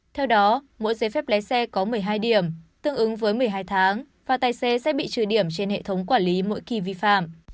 theo đó mỗi giấy phép lái xe có một mươi hai điểm tương ứng với một mươi hai tháng và tài xế sẽ bị trừ điểm trên hệ thống quản lý mỗi kỳ vi phạm